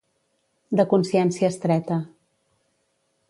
De consciència estreta.